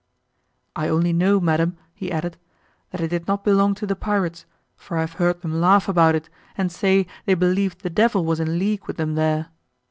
"I only know, madam," he added, "that it did not belong to the pirates, for I have heard them laugh about it, and say, they believed the devil was in league with them there."